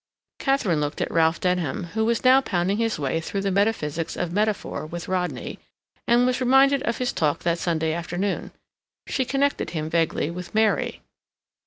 Katharine looked at Ralph Denham, who was now pounding his way through the metaphysics of metaphor with Rodney, and was reminded of his talk that Sunday afternoon. She connected him vaguely with Mary.